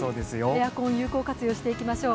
エアコン有効活用していきましょう。